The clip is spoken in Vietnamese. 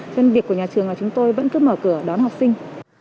nên việc của nhà trường là chúng tôi vẫn cứ mở cửa đón học sinh